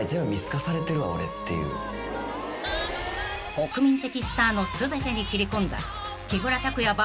［国民的スターの全てに切り込んだ］